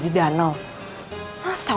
s premarchannya dada aneh